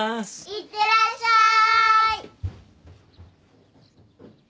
いってらっしゃい。